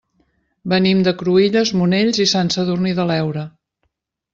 Venim de Cruïlles, Monells i Sant Sadurní de l'Heura.